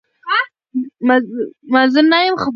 هوسۍ له زمري تېښته کوي.